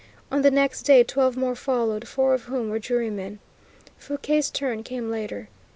On the next day twelve more followed, four of whom were jurymen. Fouquier's turn came later.